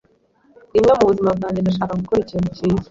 Rimwe mubuzima bwanjye, ndashaka gukora ikintu cyiza.